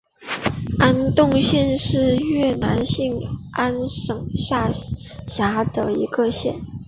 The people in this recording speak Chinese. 金洞县是越南兴安省下辖的一个县。